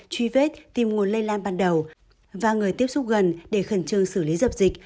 truy vết tìm nguồn lây lan ban đầu và người tiếp xúc gần để khẩn trương xử lý dập dịch